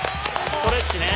ストレッチね。